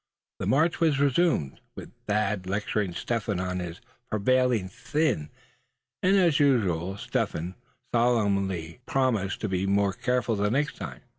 The march was resumed, with Thad lecturing Step Hen on his prevailing sin; and as usual Step Hen solemnly promising to be more careful the next time.